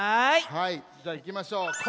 はいじゃあいきましょう。